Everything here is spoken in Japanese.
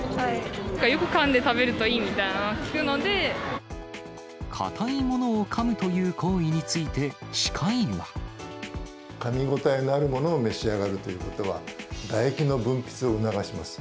よくかんで食べるといいみたかたいものをかむという行為かみ応えのあるものを召し上がるということは、唾液の分泌を促します。